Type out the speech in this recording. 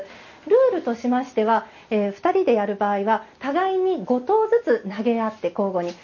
ルールとしましては２人でやる場合は互いに５投ずつ投げ合って交互に。